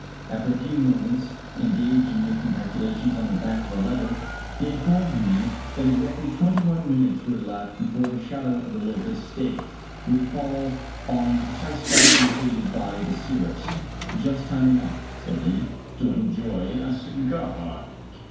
After a few moments engaged in making calculations on the back of a letter, he informed me that exactly twenty one minutes would elapse before the shadow of the locust stake would fall on the precise spot indicated by the seeress. " Just time enough," said he, " to enjoy a cigar."